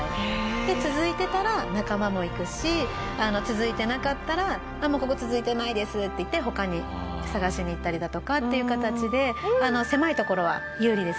で続いてたら仲間も行くし続いてなかったらもうここ続いてないですって言って他に探しに行ったりだとかっていう形で狭い所は有利ですね。